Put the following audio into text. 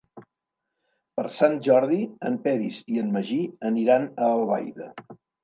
Per Sant Jordi en Peris i en Magí aniran a Albaida.